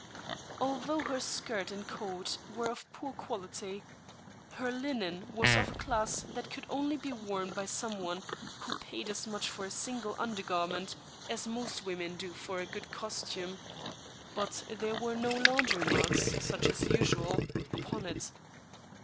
Although her skirt and coat were of poor quality, her linen was of a class that could only be worn by some one who paid as much for a single under garment as most women do for a good costume; but there were no laundry marks, such as usual, upon it.